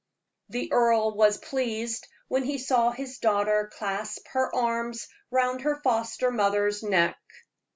The earl was pleased when he saw his daughter clasp her arms round her foster mother's neck.